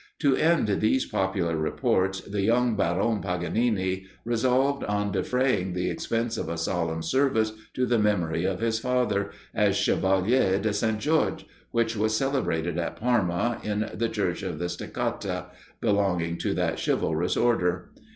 To end these popular reports, the young Baron Paganini resolved on defraying the expense of a solemn service to the memory of his father, as Chevalier de St. George, which was celebrated at Parma in the church of the Steccata, belonging to that chivalrous order.